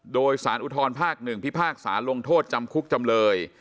โดยสารอุทธรภาค๑พิพากษาลงโทษจำคุกจำเลย